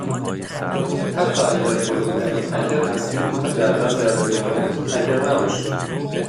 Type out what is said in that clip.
حتی اگر بزرگترین هکر هستید حداقل در رزومه هکر نباشید.